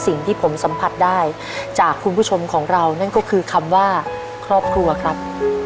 สิ่งที่ผมสัมผัสได้จากคุณผู้ชมของเรานั่นก็คือคำว่าครอบครัวครับ